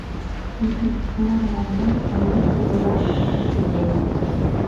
М-м-м-ыла-нем Они оролаш ш-ш-ш-ӱден.